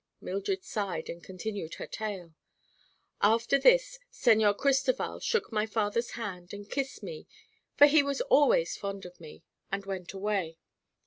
Mildred sighed and continued her tale. "After this Señor Cristoval shook my father's hand, and kissed me—for he was always fond of me—and went away.